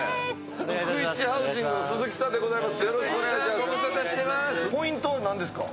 福一ハウジングの鈴木さんでございます。